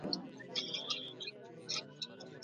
د کور فرش وچ ساتل لغزش کموي.